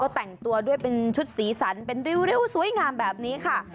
แต่งตัวด้วยเป็นชุดสีสันเป็นริ้วสวยงามแบบนี้ค่ะ